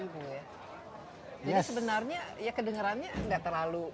jadi sebenarnya ya kedengerannya tidak terlalu